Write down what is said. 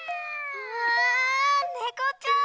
わあねこちゃん！